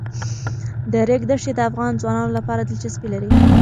د ریګ دښتې د افغان ځوانانو لپاره دلچسپي لري.